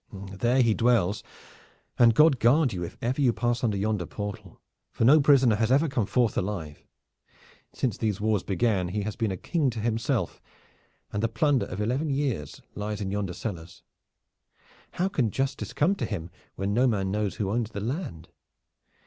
"Then there he dwells, and God guard you if ever you pass under yonder portal, for no prisoner has ever come forth alive! Since these wars began he hath been a king to himself, and the plunder of eleven years lies in yonder cellars. How can justice come to him, when no man knows who owns the land?